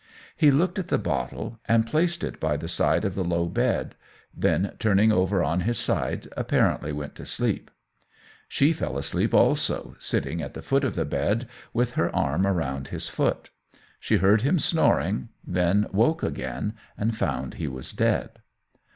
He looked at the bottle and placed it by the side of the low bed, then turning over on his side apparently went to sleep. She fell asleep also, sitting at the foot of the bed, with her arm round his foot; she heard him snoring, then woke again, and found he was dead.